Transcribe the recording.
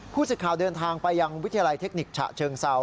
สิทธิ์ข่าวเดินทางไปยังวิทยาลัยเทคนิคฉะเชิงเซา